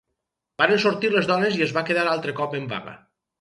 Varen sortir les dones i es va quedar altre cop en vaga.